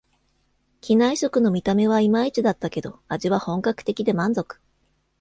機内食の見た目はいまいちだったけど、味は本格的で満足